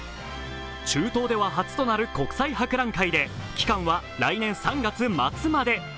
中東では初となる国際博覧会で期間は来年３月末まで。